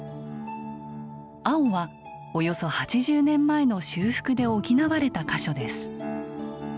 青はおよそ８０年前の修復で補われた箇所です。